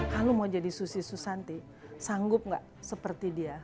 kalau mau jadi susi susanti sanggup gak seperti dia